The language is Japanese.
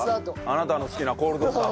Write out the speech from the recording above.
あなたの好きなコールドスタート。